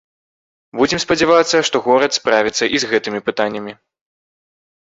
Будзем спадзявацца, што горад справіцца і з гэтымі пытаннямі.